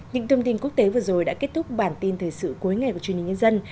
những thông tin quốc tế vừa rồi đã kết thúc bản tin thời sự cuối ngày của truyền hình nhân dân